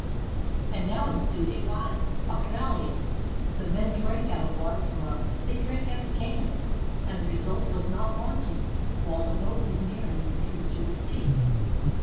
And now ensued a wild bacchanalia. The men drank out of large mugs, they drank out of cans, and the result was not wanting, while the boat was nearing the entrance to the sea.